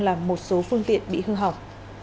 làm một số phương tiện bị hư hỏng